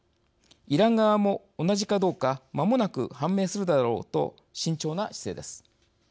イラン側も同じかどうかまもなく判明するだろう」と慎重な姿勢です。